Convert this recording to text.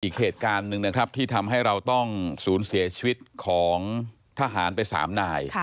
อีกเหตุการณ์หนึ่งนะครับที่ทำให้เราต้องสูญเสียชีวิตของทหารไป๓นาย